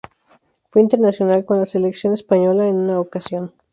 Fue internacional con la selección española en una ocasión.